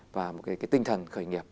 và một cái tinh thần khởi nghiệp